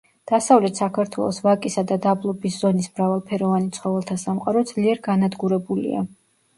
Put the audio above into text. დასავლეთ საქართველოს ვაკისა და დაბლობის ზონის მრავალფეროვანი ცხოველთა სამყარო ძლიერ განადგურებულია.